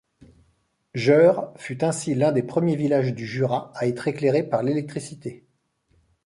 Jeurre fut ainsi l’un des premiers villages du Jura à être éclairé par l’électricité.